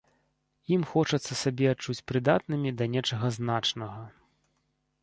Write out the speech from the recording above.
Ім хочацца сябе адчуць прыдатнымі да нечага значнага.